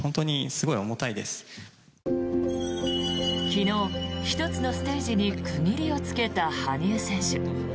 昨日、１つのステージに区切りをつけた羽生選手。